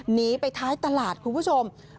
หนีไปท้ายตลาดคุณผู้ชม